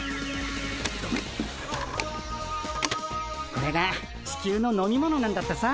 これがチキュウの飲み物なんだってさ。